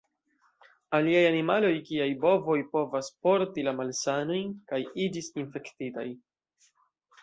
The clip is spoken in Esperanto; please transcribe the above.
Aliaj animaloj kiaj bovoj povas porti la malsanojn kaj iĝis infektitaj.